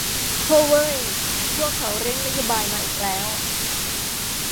โธ่เว้ย พวกเขาเร่งนโยบายมาอีกแล้ว